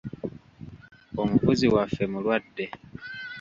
Omuvuzi waffe mulwadde.